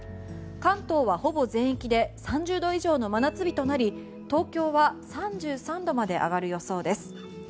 関東は、ほぼ全域で３０度以上の真夏日となり東京は３３度まで上がる予想です。